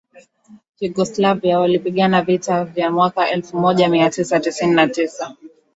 yugoslavia walipigana vita vya mwaka elfu moja mia tisa tisini na tisa